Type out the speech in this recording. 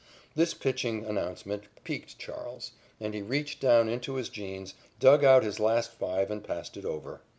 This pitching announcement piqued Charles, and he reached down into his jeans, dug out his last five, and passed it over.